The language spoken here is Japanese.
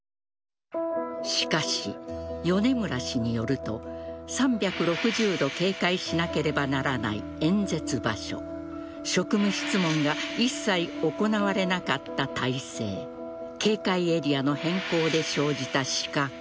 しかし、米村氏によると３６０度警戒しなければならない演説場所職務質問が一切行われなかった態勢警戒エリアの変更で生じた死角。